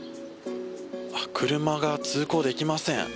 車が通行できません。